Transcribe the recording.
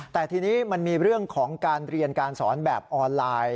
แต่ทีนี้มันมีเรื่องของการเรียนการสอนแบบออนไลน์